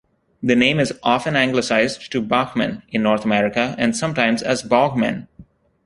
The name is often anglicized to "Bachman" in North America, and sometimes as "Baughman".